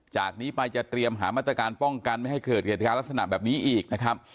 จากนี้ไปจะเตรียมหามาตรการป้องกันไม่ให้เกิดเหตุการณ์ลักษณะแบบนี้อีกนะครับ